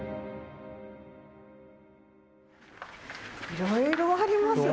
いろいろありますね。